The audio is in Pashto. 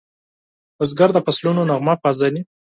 بزګر د فصلونو نغمه پیژني